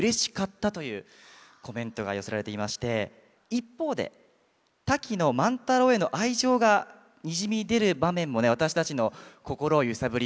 一方でタキの万太郎への愛情がにじみ出る場面もね私たちの心を揺さぶりましたよね。